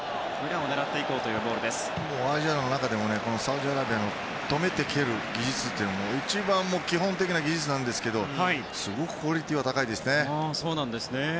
アジアの中でもサウジアラビアの止めて蹴る技術というのは一番基本的な技術ですけどすごくクオリティーが高いですね。